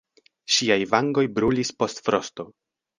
Ŝiaj vangoj brulis post frosto.